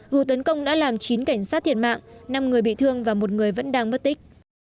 vụ tấn công đã làm chín cảnh sát thiệt mạng năm người bị thương và một người vẫn đang mất tích